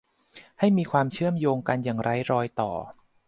ให้มีความเชื่อมโยงกันอย่างไร้รอยต่อ